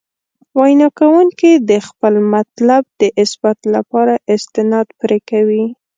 وینا کوونکي د خپل مطلب د اثبات لپاره استناد پرې کوي.